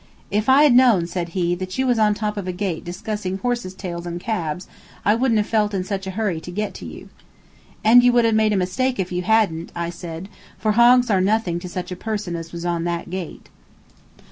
"If I had known," said he, "that you was on top of a gate discussing horses' tails and cabs I wouldn't have felt in such a hurry to get to you." "And you would have made a mistake if you hadn't," I said, "for hogs are nothing to such a person as was on that gate."